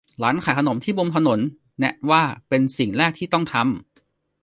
ร้านขายขนมที่มุมถนน แนะว่าเป็นสิ่งแรกที่ต้องทำ